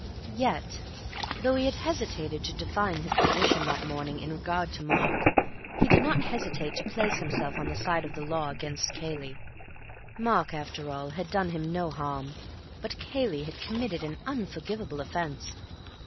Yet, though he had hesitated to define his position that morning in regard to Mark, he did not hesitate to place himself on the side of the Law against Cayley. Mark, after all, had done him no harm, but Cayley had committed an unforgivable offence.